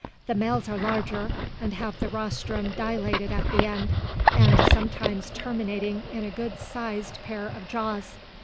The males are larger, and have the rostrum dilated at the end, and sometimes terminating in a good sized pair of jaws.